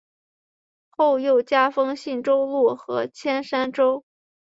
后又加封信州路和铅山州。